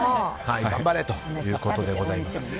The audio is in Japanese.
頑張れということでございます。